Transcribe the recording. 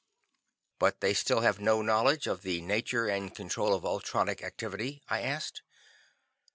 "But they still have no knowledge of the nature and control of ultronic activity?" I asked.